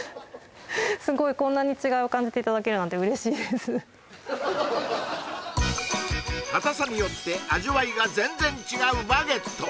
すごいこんなに違いを感じていただけるなんて嬉しいです硬さによって味わいが全然違うバゲット